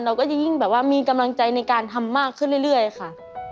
เราก็จะยิ่งแบบว่ามีกำลังใจในการทำมากขึ้นเรื่อยค่ะ